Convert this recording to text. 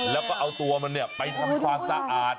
แล้วก็เอาตัวมันไปทำความสะอาด